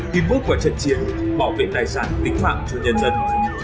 khi bước vào trận chiến bảo vệ tài sản tính mạng cho nhân dân